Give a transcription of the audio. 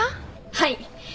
はい。